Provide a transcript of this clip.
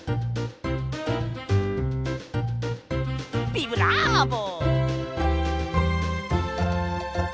ビブラーボ！